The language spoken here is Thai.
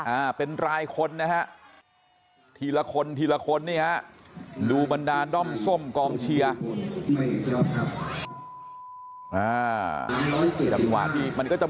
เย่เพราะไม่เห็นชอบปุ๊บเราต้องรีบเซ็นเซอร์เสียงทันทีนะครับ